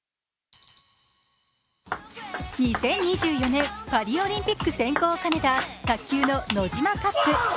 ２０２４年、パリオリンピック選考を兼ねた卓球のノジマカップ。